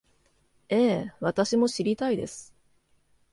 ええ、私も知りたいです